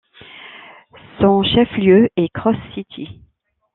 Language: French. Son chef-lieu est Cross City.